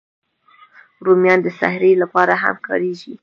رومیان د سحري لپاره هم کارېږي